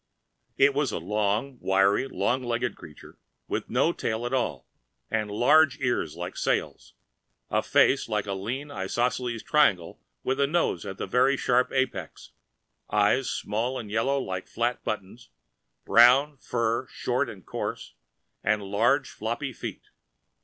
It was a thin, wiry, long legged creature, with no tail at all, and large ears like sails, a face like a lean isosceles triangle with the nose as a very sharp apex, eyes small and yellow like flat buttons, brown fur short and coarse, and large floppy feet.